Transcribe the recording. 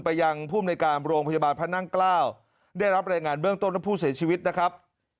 ยังภูมิในการโรงพยาบาลพระนั่งเกล้าได้รับรายงานเบื้องต้นและผู้เสียชีวิตนะครับ